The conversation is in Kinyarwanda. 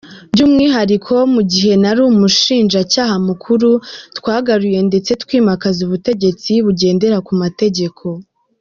"By'umwihariko, mu gihe nari umushinjacyaha mukuru, twagaruye ndetse twimakaza ubutegetsi bugendera ku mategeko".